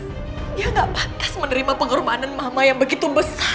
dia gak pantas menerima penghormatan mama yang begitu besar